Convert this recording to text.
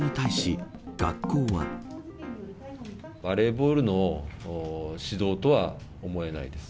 バレーボールの指導とは思えないです。